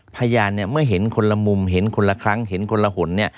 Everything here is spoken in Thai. พยานเมื่อเห็นคนละมุมเห็นคนละครั้งเห็นคนละหน